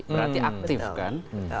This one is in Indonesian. berarti aktif kan